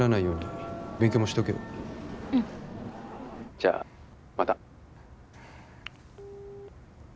じゃあまた。